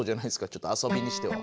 ちょっと遊びにしては。